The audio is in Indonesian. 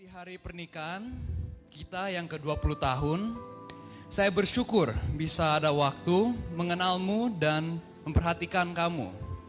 hari pernikahan kita yang ke dua puluh tahun saya bersyukur bisa ada waktu mengenalmu dan memperhatikan kamu